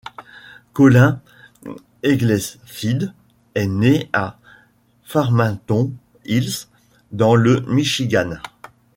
Colin Egglesfield est né à Farmington Hills dans le Michigan.